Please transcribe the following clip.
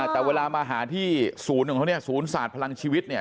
แต่เวลามาหาที่ศูนย์ศาสตร์พลังชีวิตเนี่ย